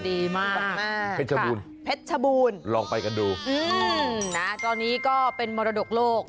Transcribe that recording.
ดีมากเพชรบูรณเพชรชบูรณ์ลองไปกันดูอืมนะตอนนี้ก็เป็นมรดกโลก